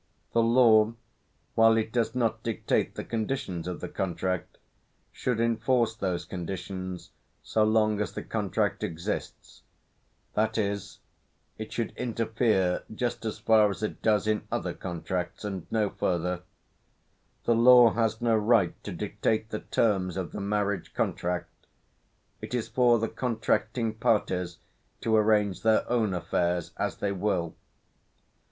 The law, while it does not dictate the conditions of the contract, should enforce those conditions so long as the contract exists; that is, it should interfere just as far as it does in other contracts, and no further; the law has no right to dictate the terms of the marriage contract; it is for the contracting parties to arrange their own affairs as they will.